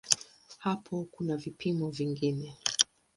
Hapo kuna vipimo vingine.